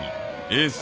エース！